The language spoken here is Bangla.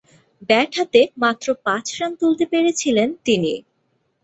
ব্যাট হাতে মাত্র পাঁচ রান তুলতে পেরেছিলেন তিনি।